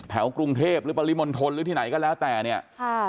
กรุงเทพหรือปริมณฑลหรือที่ไหนก็แล้วแต่เนี่ยค่ะ